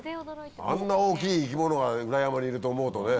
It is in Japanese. あんな大きい生き物が裏山にいると思うとね。